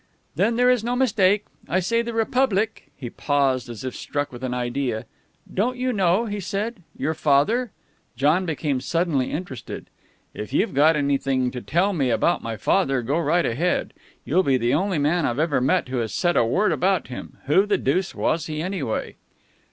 "Then there is no mistake. I say the Republic " He paused, as if struck with an idea. "Don't you know?" he said. "Your father " John became suddenly interested. "If you've got anything to tell me about my father, go right ahead. You'll be the only man I've ever met who has said a word about him. Who the deuce was he, anyway?"